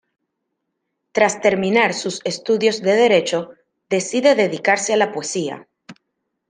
Tras terminar sus estudios de derecho, decide dedicarse a la poesía.